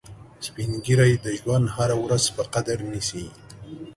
سپین ږیری د ژوند هره ورځ په قدر نیسي